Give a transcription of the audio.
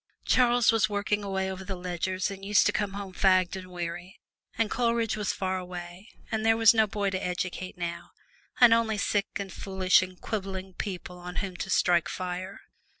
Charles was working away over the ledgers, and used to come home fagged and weary, and Coleridge was far away, and there was no boy to educate now, and only sick and foolish and quibbling people on whom to strike fire.